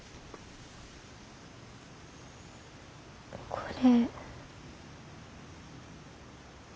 これ。